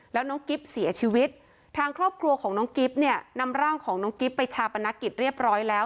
แล้วน้องกิ๊บเสียชีวิตทางครอบครัวของน้องกิ๊บเนี่ยนำร่างของน้องกิ๊บไปชาปนกิจเรียบร้อยแล้ว